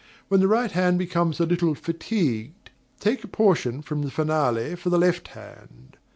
When the right hand becomes a little fatigued, take a portion from the finale for the left hand.